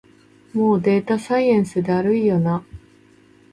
もうデータサイエンスだるいよな